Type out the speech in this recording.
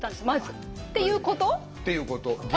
まず。っていうこと？っていうこと。